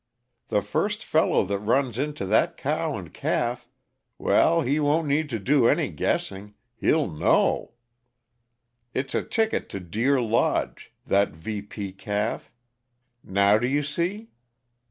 The first fellow that runs onto that cow and calf well, he won't need to do any guessing he'll know. It's a ticket to Deer Lodge that VP calf. Now do you see?"